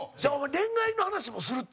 恋愛の話もするって？